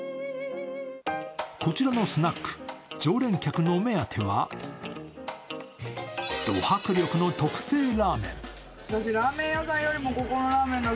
こちらのスナック、常連客の目当てはど迫力の特製ラーメン。